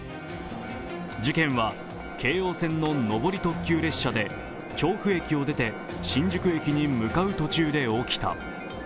事件は京王線の上り特急列車で調布駅を出て新宿駅に向かう途中で起きた。